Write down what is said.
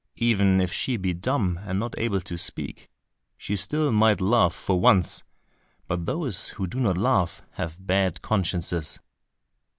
Even if she be dumb, and not able to speak, she still might laugh for once; but those who do not laugh have bad consciences."